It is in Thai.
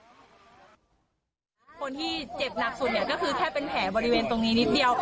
คนที่เจ็บหนักสุดเนี่ยก็คือแค่เป็นแผลบริเวณตรงนี้นิดเดียว